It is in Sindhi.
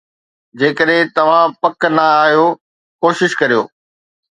جيڪڏهن توهان پڪ نه آهيو، ڪوشش ڪريو